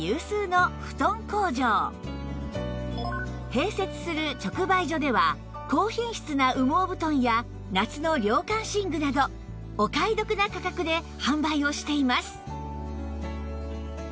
併設する直売所では高品質な羽毛布団や夏の涼感寝具などお買い得な価格で販売をしています